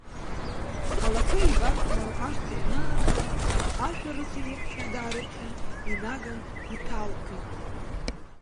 Алақәа еибархәмаруа ашҭа ианааҭала, ашәарыцаҩ иаҳәшьа даарыԥхьан, инаганы иҭалкит.